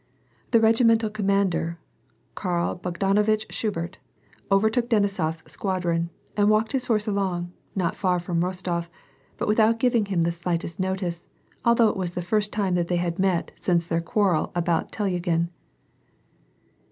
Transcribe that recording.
The mental commander, Karl Bogdanovitch Schubert, overtoo Denisof's squadron, and walked his horse along, not far fi om Rostof, but without giving him the slightest notice, although it was the first time that they had met since their quarrel about Telyagin.